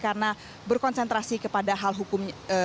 karena berkonsentrasi kepada hal hukum